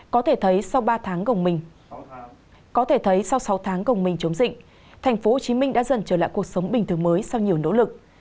có thể thấy sau sáu tháng gồng mình chống dịch tp hcm đã dần trở lại cuộc sống bình thường mới sau nhiều nỗ lực